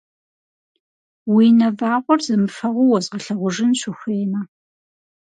Уи нэвагъуэр зэмыфэгъуу уэзгъэлъэгъужынщ, ухуеймэ!